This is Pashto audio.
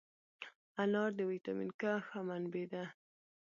انار د ویټامین K ښه منبع ده.